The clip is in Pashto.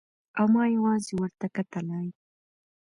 او ما يوازې ورته کتلای.